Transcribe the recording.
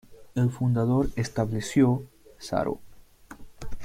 El fundador estableció Saro.